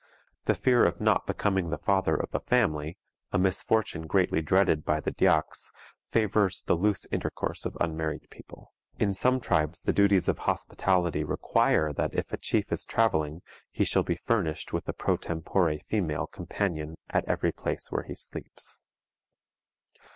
The fear of not becoming the father of a family, a misfortune greatly dreaded by the Dyaks, favors the loose intercourse of unmarried people. In some tribes the duties of hospitality require that if a chief is traveling he shall be furnished with a pro tempore female companion at every place where he sleeps.